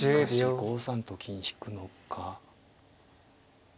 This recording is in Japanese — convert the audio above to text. ５三と金引くのか。